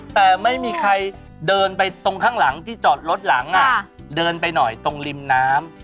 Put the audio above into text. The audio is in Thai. แต่ไม่มีใครเดินไปตรงข้างหลังที่จอดรถหลังเดินไปหน่อยตรงริมน้ำ